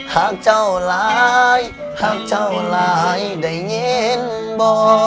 หากเจ้าหลายหากเจ้าหลายได้ยินบ่